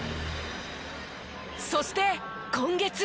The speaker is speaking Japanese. そして今月。